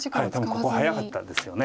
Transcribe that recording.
でもここ早かったですよね。